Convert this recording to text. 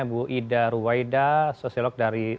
bu ida ruwaida sosiolog dari